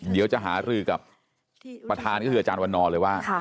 เดี๋ยวจะหารือกับประธานก็คืออาจารย์วันนอเลยว่า